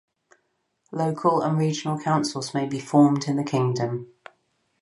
Local and regional councils may be formed in the Kingdom.